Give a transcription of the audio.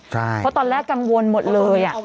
เพราะตอนแรกกังวลหมดเลย